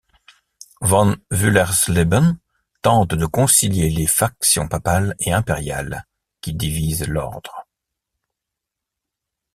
Von Wüllersleben tente de concilier les factions papale et impériale qui divisent l'Ordre.